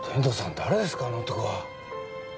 誰ですかあの男は